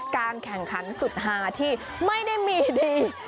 การแข่งขันสุดหาที่ไม่ได้มีดี